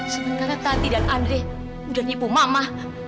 sebentar tadi dan andre udah nipu mama